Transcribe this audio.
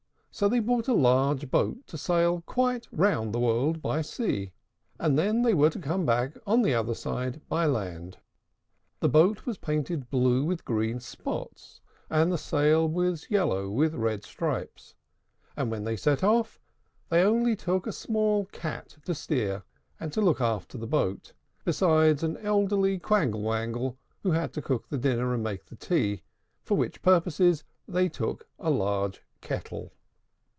So they bought a large boat to sail quite round the world by sea, and then they were to come back on the other side by land. The boat was painted blue with green spots, and the sail was yellow with red stripes: and, when they set off, they only took a small Cat to steer and look after the boat, besides an elderly Quangle Wangle, who had to cook the dinner and make the tea; for which purposes they took a large kettle.